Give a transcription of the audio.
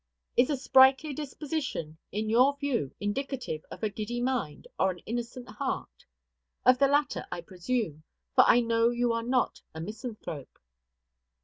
Is a sprightly disposition, in your view, indicative of a giddy mind or an innocent heart? Of the latter, I presume; for I know you are not a misanthrope.